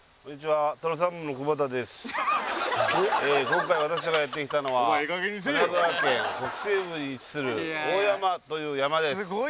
今回私がやって来たのは神奈川県北西部に位置する大山という山です。